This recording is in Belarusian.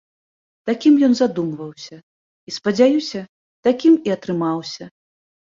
Такім ён задумваўся і, спадзяюся, такім і атрымаўся.